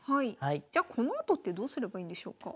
じゃこのあとってどうすればいいんでしょうか？